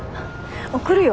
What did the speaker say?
送るよ。